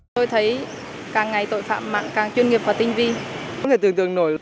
càng ngày tội phạm mạng càng chuyên nghiệp và tinh vi